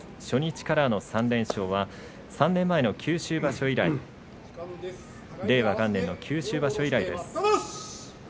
初日からの３連勝は３年前の九州場所以来令和元年の九州場所以来です。